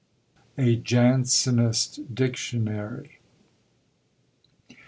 ] A JANSENIST DICTIONARY.